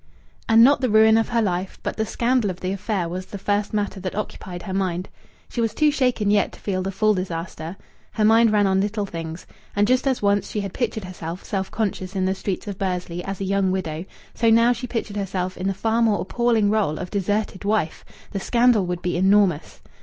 And not the ruin of her life, but the scandal of the affair, was the first matter that occupied her mind. She was too shaken yet to feel the full disaster. Her mind ran on little things. And just as once she had pictured herself self conscious in the streets of Bursley as a young widow, so now she pictured herself in the far more appalling role of deserted wife. The scandal would be enormous.